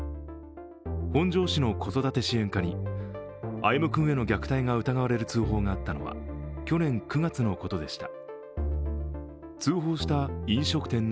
本庄市の子育て支援課に歩夢君への虐待が疑われる通報があったのは去年９月のことでした。